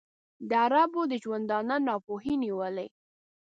د عربو د ژوندانه ناپوهۍ نیولی.